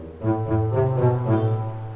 misalnya dateng ke nomor seseorang